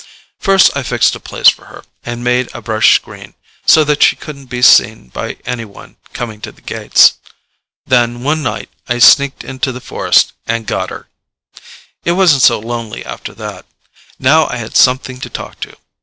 First I fixed a place for her, and made a brush screen, so that she couldn't be seen by anyone coming to the gates. Then, one night, I sneaked into the forest and got her. It wasn't so lonely after that. Now I had something to talk to.